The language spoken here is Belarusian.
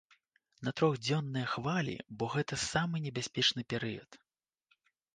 На трохдзённыя хвалі, бо гэта самы небяспечны перыяд.